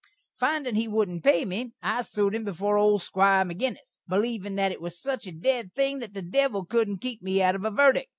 Findin' he wouldn't pay me, I sued him before old Squire Maginnis, beleevin' that it was sich a ded thing that the devil couldn't keep me out of a verdik.